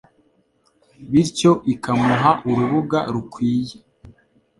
bityo ikamuha urubuga rukwiye